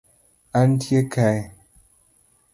Antie kae